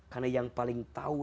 karena yang paling tahu